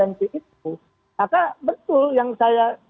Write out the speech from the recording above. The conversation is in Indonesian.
maka betul yang saya